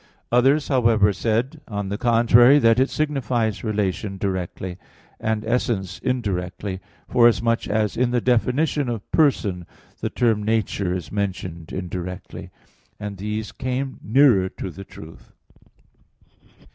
Others, however, said, on the contrary, that it signifies relation directly; and essence indirectly; forasmuch as in the definition of "person" the term nature is mentioned indirectly; and these come nearer to the truth.